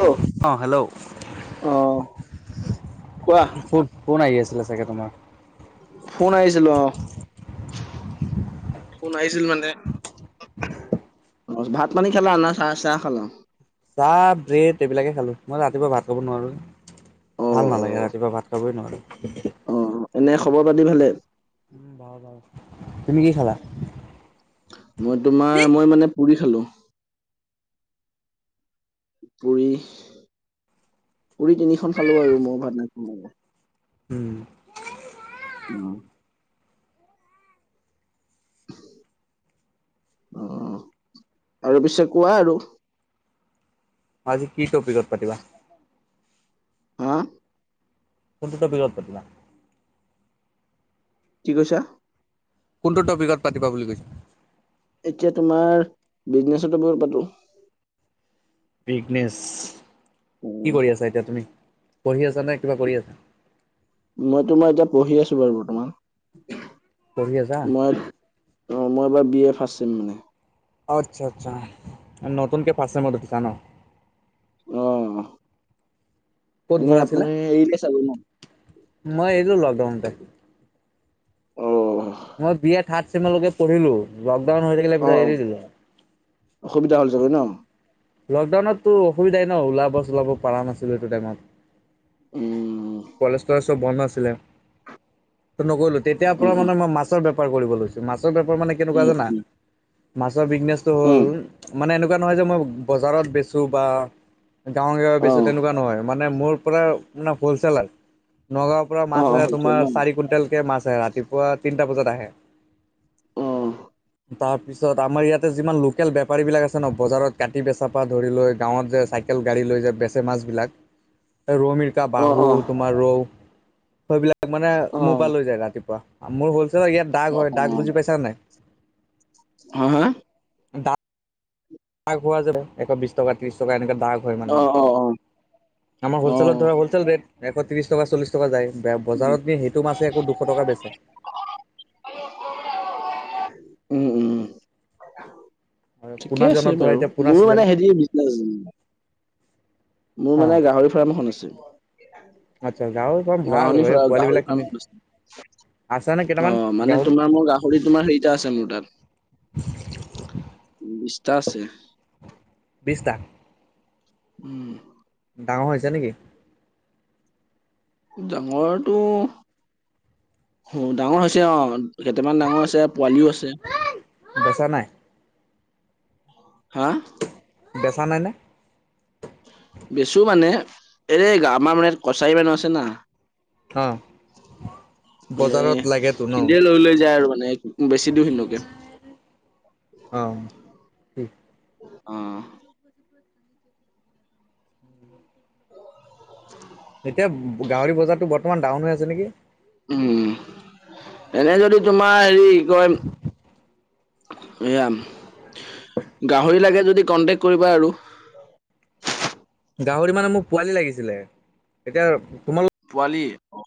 Hello অঁ hello অ কোৱা? ফোন-ফোন আহি আছিলে চাগে তোমাৰ। ফোন আহিছিলো অ ফোন আহিছিল মানে অ ভাত, পানী খালা না চাহ-চাহ খালা চাহ ব্ৰেড এইবিলাকে খালো। মই ৰাতিপুৱা ভাত কব নোৱাৰো৷ অ ভাল নালাগে ৰাতিপুৱা ভাত খাবই নোৱাৰোঁ। অ-অ এনে খবৰ পাতি ভালে উম ভাল-ভাল তুমি কি খালা? মই তোমাৰ মই মানে পুৰি খালো। পুৰি, পুৰি তিনিখন খালো আৰু মই ভাত, ন উম উম, অ আৰু পিছে কোৱা? আৰু আজি কি টপিকত পাতিবা। হা কোনটো টপিকট পাতিবা৷ কি কৈছা? কোনটো টপিকত পাতিবা বুলি কইছে? এতিয়া তোমাৰ বিজনেছতো বহত পাতো বিজনেছ অ কি কৰি আছা এতিয়া তুমি পঢ়ি আছা নে কিবা কৰি আছা৷ মই তোমাৰ এতিয়া পঢ়ি আছো বাৰু বৰ্তমান পঢ়ি আছা মই অঁ মই এবাৰ বি এ ফাৰচেম মানে আচ্ছা-আচ্ছা নতুনকৈ ফাৰচেমত উথিচা ন'। অ ক'ত ঘৰ এনেই আছিলে আপোনাৰ এৰিতে [unintelligible] চালো ন। মই এৰিলোঁ লকডাউনতে অঁ মই বি এ থাৰ্ড চেমৰলৈকে পঢ়িলো লকডাউন হৈ থাকিলে অ পিছত অ এৰি দিলো৷ অসুবিধা হল চাগৈ ন৷ লকডাউনতো অসুবিধাই ন ওলাব চলাব পৰা নাছিলো সেইটো টাইমত৷ উম, কলেষ্টৰ [unintelligible] চব বন্ধ আছিলে৷ নগলো তেতিয়াৰ উম, পৰা উম, মানে মই মাছৰ বেপাৰ কৰিব লৈছো মাছৰ বেপাৰ মানে কেনেকুৱা উম, জানা উম, মাছৰ বিজনেছটো উম, হ'ল মানে এনেকুৱা নহয় যে মই বজাৰত বেচো বা গাঁৱে-গাঁৱে বেছোঁ অ', তেনেকুৱা নহয় মানে মোৰ পৰা মানে হ'লচেলাৰ৷ নগাঁৱৰ পৰা মাছ অ', অ', আহে হৈছে ন? তোমাৰ চাৰি কুইণ্টেলকৈ মাছ আহে ৰাতিপুৱা তিনিটা বজাত আহে৷ অ', তাৰপিছত আমাৰ ইয়াতে যিমান লোকেল বেপাৰী বিলাক আছে ন বজাৰত গ কাটি [unintelligible] বেচাপা পৰা ধৰি লৈ গাঁৱত যে চাইকেল গাড়ী লৈ য বেচে মাছবিলাক ৰমীৰ একা [unintelligible] অ', বাহুত অ', তোমাৰ ৰৌ সেইবিলাক মানে অ', মোৰ পৰা লৈ যায় ৰাতিপুৱা মোৰ হ'লছেলৰ ইয়াত দাগ হয় অ-অ দাগ বুজি পাইছা নাই হা-হা দাগ দাগ হোৱা যাব এশ বিশ টকা ত্ৰিশ টকা এনেকে দাগ হয় মানে অ', অ', অ', আমাৰ অ', হৌলচেলত ধৰা হলছেল ৰেট এশ ত্ৰি টকা চল্লিছ টকা যায় বজাৰত নি সেইটো মাছেই আকৌ দুশ টকা বেচে৷ উম উম উম আৰু ঠিকে পোনা আছে ছিজনত ধৰা বাৰু এতিয়া পোনা মোৰো ছিজন মানে হেৰি বিচনেছ মোৰ হা মানে গাহৰি ফাৰ্ম এখন আছে। আচ্ছা গাহৰি ফাৰ্ম ভাল গাহনি হয় ফ্ৰা, পোৱালিবিলাক গাহৰি ফাৰ্ম কিনি এখন আছেনে আছে অ কেইটামান মানে গাহৰি তোমাৰ মোৰ গাহ ৰি তোমাৰ হেৰিটা আছে মোৰ তাত, বিশটা আছে বিছটা? উম। ডাঙৰ হৈছে নেকি? ডাঙৰটো, ডাঙৰ হৈছে অ কেইটামান ডাঙৰ আছে পোৱালিও আছে বেচা নাই? হা? বেচা নাই নে? বেছো মানে, এৰে আমাৰ মানে ইয়াত কছাৰী মানুহ আছে না। অ', মানে বজাৰত লাগেতো ন? সিনধে লৈ লৈ যায় আৰু মানে বেছি দিওঁ সিহঁন্ধকে, অ', অ। [unintelligible] এতিয়া গাহৰি বজাৰটো বৰ্তমান ডাউন হৈ আছে নেকি? উম, এনে যদি তোমাৰ হেৰি কি কয়? এয়া, গাহৰি লাগে যদি কন্টেক্ট কৰিবা আৰু গাহৰি মানে মোৰ পোৱালি লাগিছিলে, এতিয়া তোমালোক পোৱালি অ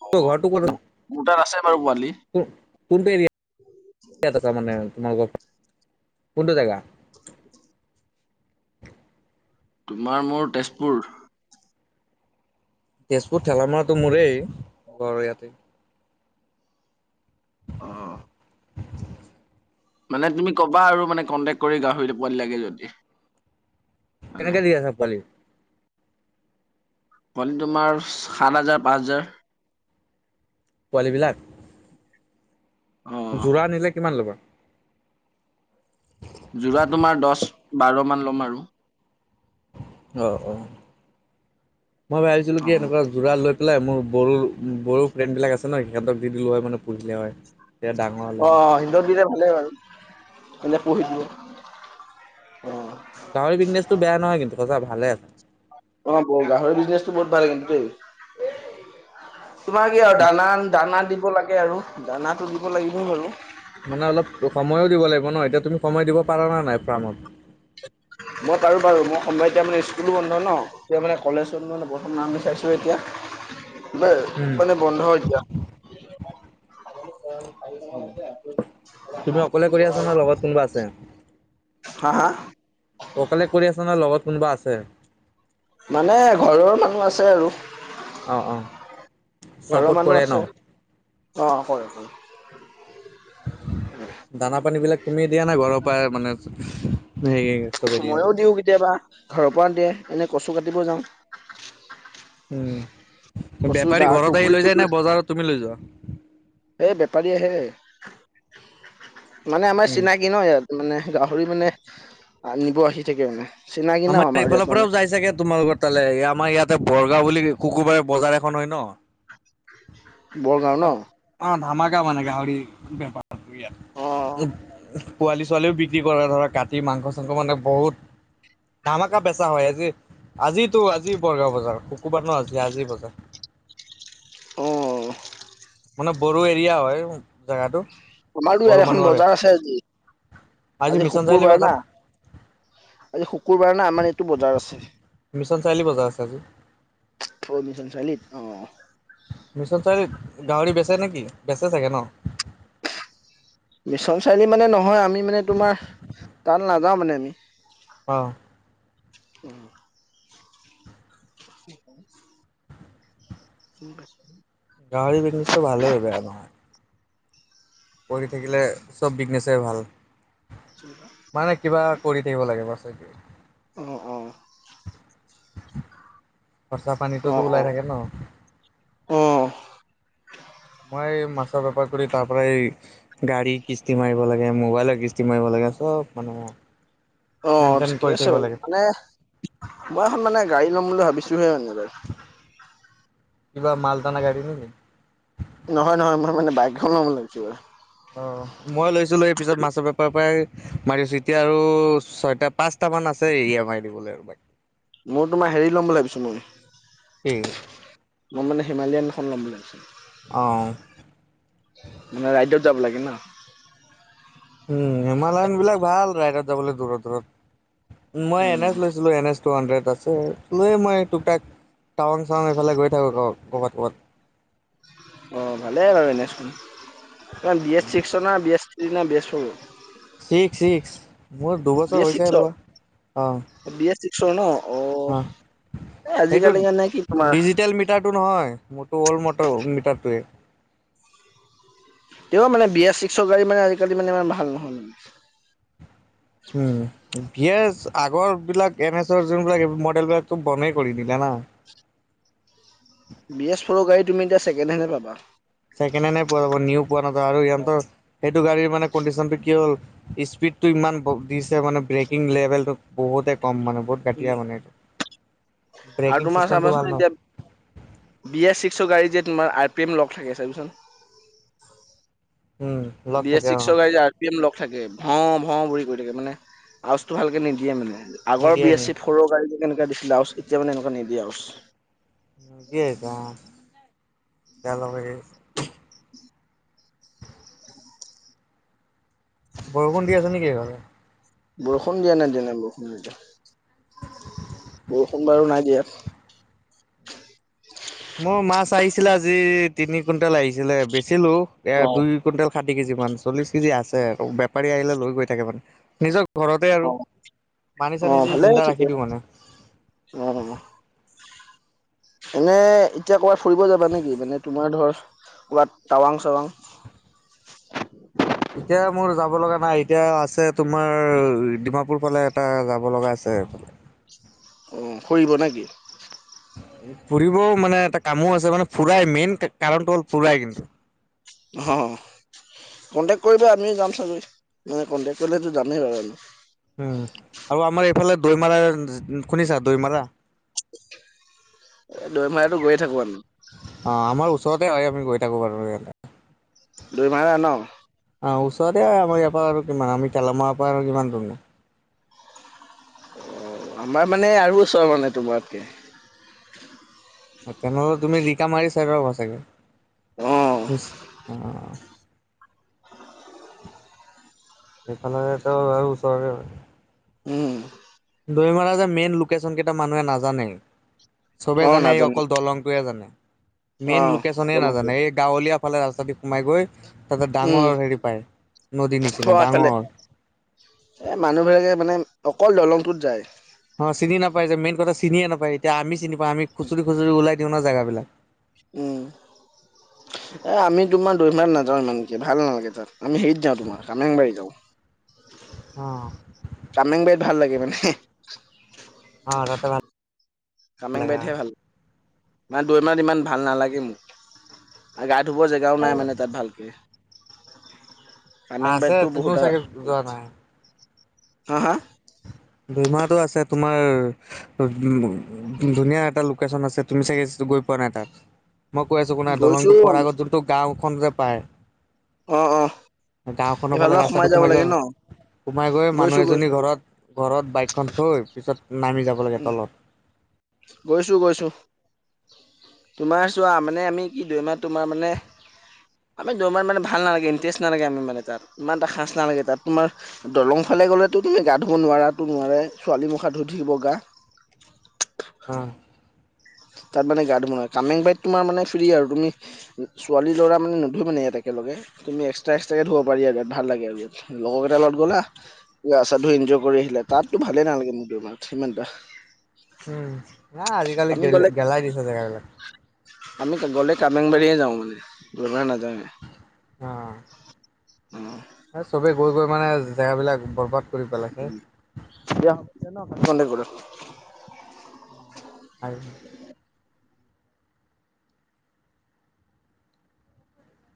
মোৰ তাত আছে বাৰু পোৱালি ক কোনটো এৰিয়াট আচা মানে তোমালোক ক কোনটো জেগা? তোমাৰ মোৰ তেজপুৰ তেজপুৰ ঠেলামৰাটো মোৰেই ঘৰৰ ইয়াতে অ [unintelligible] [inaudible] মানে তুমি ক'বা আৰু মানে কণ্টেক্ট কৰি গাহৰিটো পোৱালী লাগে যদি মানে কেনেকে দি আছা পোৱালি? পোৱালি তোমাৰ সাত হাজাৰ, পাঁচ হাজাৰ পোৱালিবিলাক? অ যোৰা আনিলে কিমান ল'বা? যোৰা তোমাৰ দশ বাৰমান ল'ম আৰু অ অ মই ভাবিছিলো অ কি এনেকুৱা যোৰা লৈ পেলাই মোৰ বড়ো বড়ো ফ্ৰেণ্ড বিলাক আছে ন সিহঁতক দি দিলো হয় মানে পুহিলে হয়। তেতিয়া ডাঙৰ হ'লে অ হয়। অ সিন্তক দিলে ভালেই বাৰু হিনতে পুহি দিব। অ', গাহৰি বিজনেছটো বেয়া নহয় কিন্তু সঁচা ভালে আছে। অ গাহৰিৰ বিজনেচটো বহুত ভালে কিন্তু দেই। তোমাৰ কি আৰু দানা- দানা দিব লাগে আৰু দানাটো দিব লাগিব বাৰু। মানে অলপ সময়ো দিব লাগিব ন এতিয়া তুমি সময় দিব পাৰা ন নাই ফাৰ্মত? মই পাৰো বাৰু মই সময় এতিয়া মানে স্কুলো বন্ধ ন? এতিয়া মানে কলেজত মানে প্ৰথম নাম চাইছোঁ এতিয়া উম মানে বন্ধ এতিয়া। [unintelligible] [inaudible] তুমি অকলে কৰি আছা ন লগত কোনোবা আছে? হা হা? অকলে কৰি আছ না লগত কোনোবা আছে? মানে ঘৰৰ মানুহ আছে আৰু অ অ ঘৰৰ চাপৰ্ট মানুহ কৰে ন? আছে। অ হয়- হয়। দানা পানী বিলাক তুমি দিয়া নাই ঘৰৰ পৰা মানে সেইয়ে ময়ো দিও কেতিয়াবা ঘৰৰ পৰা দিয়ে এনে কচু কাটিবও যাওঁ। উম কচু দা বেপাৰী ঘৰত আহি লৈ যায় নে বজাৰত তুমি লৈ যোৱা। সেই বেপাৰী আহে, মানে আমাৰ উম। চিনাকি ন ইয়াত। মানে গাহৰি মানে নিব আহি থাকে মানে চিনাকি ন আমাৰ এইফালৰ ইয়াত মানে পৰাও যাই চাগে তোমাৰ লগত তালে আমাৰ ইয়াতে বৰগাঁও বুলি শুকুৰবাৰে বজাৰ এখন হয় ন। বৰগাঁও ন। অ ধামাকা মানে গাহৰি বেপাৰ ইয়াত অ', [unintelligible] পোৱালি ছোৱালীও বিক্ৰী কৰে ধৰক কাটি মাংস চাংস মানে বহুত ধামাকা বেচা হয় আজি আজিতো আজি বৰগাঁও বজাৰ শুকুৰবাৰ ন আজি আজি বজাৰ। অ। মানে বড়ো এৰিয়া হয়, জেগাটো। আমাৰো বড়ো ইয়াত এখন মানুহৰে বজাৰ আছে আজি আজি মিছন চাৰিআলি শুকুৰবাৰ বজাৰ না। আজি শুকুৰবাৰ না আমাৰ এইটো বজাৰ আছে। মিছন চাৰিআলি বজাৰ আছে আজি অ মিছন চাৰিআলিত, অ। মিছন চাৰিআলিত গাহৰি বেচে নেকি? বেচে চাগে ন। বিশ্বনাথ চাৰিআলি মানে নহয় আমি মানে তোমাৰ তাত নাযাওঁ মানে আমি অ। [unintelligible] [unintelligible] গাহৰি বিজনেছতটো ভালেই বেয়া নহয়। পঢ়ি থাকিলে চব বিজনেছে ভাল। [inaudible] মানে কিবা কৰি থাকিব লাগে বাচ হেতুৱেই অ অ। খৰ্চা পানীতোটো ওলাই থাকে ন। অহ। মই মাছৰ বেপাৰ কৰি তাৰ পৰাই এই গাড়ী কিস্তি মাৰিব লাগে, মোবাইলৰ কিস্তি মাৰিব লাগে চব মানে অ মেইনটেইন ঠিকে কৰি আছে থাকিব বাও, লাগে মানে মই এখন মানে গাড়ী ল'ম বুলি ভাবিছোহে মানে এইবাৰ। কিবা মালটানা গাড়ী নেকি? নহয় নহয় মই মানে বাইকখন লম বুলি ভাবিছোঁ এইবাৰ। অ মই লৈছিলো সেই পিছত মাছৰ বেপাৰৰ পৰাই মাৰি আছো এতিয়া আৰু ছয়টা পাঁচ টামান আছে ই এম আই দিবলৈ আৰু বাক- মোৰ তোমাৰ হেৰি ল'ম ভাবিছোঁ মই। কি? মই মানে হিমালয়ান এখন ল'ম বুলি ভাৱিছো। অ ও। মানে ৰাইডত যাব লাগে ন। উম, হিমালয়ন বিলাক ভাল ৰাইডত যাবলৈ দূৰত দূৰত উম, মই এন এছ লৈছিলো এন এছ- টু হাণ্ড্ৰেড আছে লৈ মই টুপটাক টাউং চাউন এইফালে গৈ থাকো ৰ ক'বাত ক'বাত। অ ভালেই বাৰু এন এছ খন B A six, B A three নে, B A four. Six six মোৰ বি দুবছৰ এছ হৈছে হে ছিক্সৰ লোৱা। বি এছ চিক্সৰ ন অ সেইটো আজিকালি মানে কি তোমাৰ ডিজিটেল মিটাৰটো নহয় মোৰতো অল্ড মটৰ মিটাৰটোৱে। তেওঁ মানে বি এ চিক্সৰ গাড়ী মানে আজিকালি মানে ইমান ভাল নহ'ল। উম, ভি এছ আগৰবিলাক এন এছৰ যোনবিলাক মডেলবিলাকতো বন্ধই কৰি দিলে না। বি এ ফৌৰ গাড়ী তুমি এতিয়া ছেকেণ্ড হেণ্ড এ পাবা। ছেকেণ্ড হেনে পোৱা যাব নিও পোৱা না আৰু ইহন্তৰ সেইটো গাড়ীৰ মানে কণ্ডিচনটো কিয় হ'ল- ইস্পিদটো ইমান ক দিছে মানে ব্ৰেকিং লেভেলটো বহুতে কম মানে বহুত ঘাটিয়া মানে, আৰু ব্ৰেকিং তোমাৰ চিষ্টেমটো ভাল চাবাচোন ন? এতিয়া বি এছ ছিকচৰ গাড়ীত যে তোমাৰ আৰ পি এম লক থাকে চাবিচোন। উম লগ বি এছ থাকে অ ছিকচৰ গাড়ীত আ আৰ পি এম লক থাকে। ভ' ভ' ভৰি কৰি থাকে মানে আৱাছটো ভালকে নিদিয়ে মানে আগৰ নিদিয়ে বি এছ নি ছি সৰু গাড়ীত যে যেনেকুৱা দিছিলে আৱাছ এতিয়া মানে এনেকুৱা নিদিয়ে আৱাছ। জ যল [unintelligible] বৰষুণ দি আছে নেকি সেইফালে? বৰষুণ দিয়া নাই দিয়া নাই বৰষুণ নাই দিয়া। বৰষুণ বাৰু নাই দিয়া ইয়াত। মোৰ মাছ আহিছিলে আজি তিনি কুইণ্টেল আহিছিলে, বেচিলো এ অ দুই কুইণ্টেল ষাঠি কেজি মান চল্লিছ কেজি আছে আৰু বেপাৰী আহিলে লৈ গৈ থাকে মানে নিজ ঘৰতে আৰু অ পানী চানি যি জিন্দা ৰাখি দিওঁ মানে। অহ। এনে এতিয়া ক'ৰবাত ফুৰিব যাবা নেকি? মানে তোমাৰ ধৰ ক'ৰবাত টাৱাং চাৱাং। এতিয়া মোৰ যাব লগা নাই এতিয়া আছে তোমাৰ ডিমাপুৰ ফালে এটা যাব লগা আছে সেইফালে। অঁ, ফুৰিব না কি? ফুৰিবও মানে এটা কামো আছে মানে ফুৰাই মেইন কে কাৰণটো হ'ল ফুৰাই কিন্তু। অহ, কণ্টেক্ট কৰিবা আমি যাম চাগৈ মানে কণ্টেক্ট কৰিলেতো যামেই বাৰু আমি। উম, আৰু আমাৰ এইফালে দৈমাৰা শুনিছা দৈমাৰা? এ দৈমাৰাটো গৈয়ে থাকো আমি। অঁ আমাৰ ওচৰতে হয় আমি গৈয়ে থাকো বাৰু ইয়ালে। দৈমাৰা ন? অঁ, ওচৰতে আ আমাৰ ইয়াৰ পৰা আৰু কিমান আমি তেলা মানৰ পৰা আৰু কিমান দূৰ নো। আমাৰ মানে আৰু ওচৰ মানে তোমাতকে। তেনেহ'লে তুমি ৰিকামাৰি চাইডৰ হ'ব চাগে। অ অহ। সেইফালৰে ত' আৰু ওচৰৰে হয়। উম দৈমাৰা যে মেইন লোকেচন কেইটা মানুহে নাজানে। চবে অ জানে এই নাজানিম অকল দলংটোৱে জানে। মেইন অ লোকেচনে নাজানে দলংপুৰ। এই গাঁৱলীয়া ফালে ৰাস্তা দি সোমাই গৈ তাতে উম ডাঙৰ হেৰী পায়, নদীৰ নিচিনা ডাঙৰ এই মানুহবিলাকে মানে অকল দলংটোত যায়। অঁ চিনি নাপায় যে মেইন কথা চিনিয়ে নাপায় এতিয়া আমি চিনি পাওঁ আমি খুচুৰি খুচুৰি ওলাই দিওঁ ন জেগাবিলাক। উম। [inaudible] এ আমি তোমাৰ দৈমাৰাত নাযাওঁ ইমানকে ভাল নালাগে তাত আমি হেৰীত যাওঁ তোমাৰ কামেংবাৰী যাওঁ। অঁ। কামেংবাৰীত ভাল লাগে মানে হে। অঁ তাতে ভাল লাগে কামেংবাৰীতহে ভাল মানে দৈমাৰাত ইমান ভাল নালাগে মো। আ গা ধুব জেগাও নাই মানে তাত ভালকে। আছে কামেংবাৰীতটো তুমিও বহুত আ, চাগে যোৱা নাই হা হা? দৈমাৰাটো আছে তোমাৰ উম, ধুনীয়া এটা লোকেচন আছে তুমি চাগে গৈ পোৱা নাই তাত। মই কৈ আছোঁ শুনা গৈছো দলংটো পোৱাৰ আগত যোনটো গাঁওখন যে পায়। অঁ অহ, গাঁওখনৰ এইফালৰ ফালে পৰা ৰাস্তাটো সোমাই যাব যোৱা লাগে ন সোমাই গৈ মানুহ গৈছো এজনী গৈছো ঘৰত ঘৰত বায়েকখন থৈ পিছত নামি যাব লাগে উ তলত। গৈছো গৈছো। তোমাৰ চোৱা মানে আমি কি দৈমাৰাত তোমাৰ মানে আমি দৈমাৰত মানে ভাল নালাগে ইণ্টেৰেষ্ট নালাগে আমি মানে তাত ইমান এটা খাছ নালাগে তাত তোমাৰ দলং ফালে গ'লেটো তুমি গা ধুব নোৱাৰা তো নোৱাৰাই ছোৱালী মুখ হাত ধুই থাকিব গা। আ, তাত মানে গা [unintelligible] কামেং বাইত তোমাৰ মানে ফ্ৰী আৰু তুমি ছোৱালী -ল'ৰা মানে নুধুই মানে ইয়াত একেলগে তুমি এক্সট্ৰা -এক্সট্ৰাকে ধুব পাৰি আৰু ইয়াত ভাল লাগে আৰু ইয়াত। লগকেইটা লগত গ'লা গা চা ধুই ইনজয় কৰি আহিলা তাততো ভালে নালাগে মোৰ দৈ মাৰাত সিমানটা। উম, না আজিকালি গেল গ'লে -গেলাই দিছে জেগাবিলাক। আমি গ'লে কামৰেংবাৰীয়ে যাওঁ মানে দৈ মাৰা নাজাঙে। হা এ চবে গৈ-গৈ মানে জেগাবিলাক বৰবাদ কৰি পেলাইছে [unintelligible] দিয়া হব দিয়া ন' বন্দে কৰোত [unintelligible]